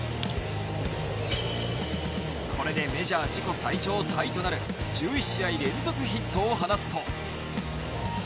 これでメジャー自己最長タイとなる１１試合連続ヒットを放つと。